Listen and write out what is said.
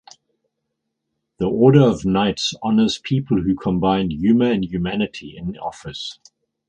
The order of knights honors people who combine "humor and humanity in office".